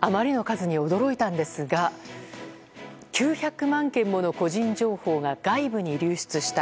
あまりの数に驚いたんですが９００万件もの個人情報が外部に流出した。